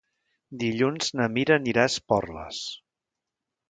Dilluns na Mira anirà a Esporles.